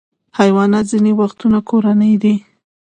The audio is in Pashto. حیوانات ځینې وختونه کورني دي.